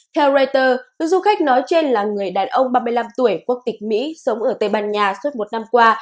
theo reuters du khách nói trên là người đàn ông ba mươi năm tuổi quốc tịch mỹ sống ở tây ban nha suốt một năm qua